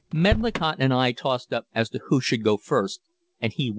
Medlicott and I tossed up as to who should go first, and he won.